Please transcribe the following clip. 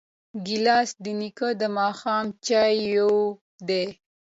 ګیلاس د نیکه د ماښام چایو دی.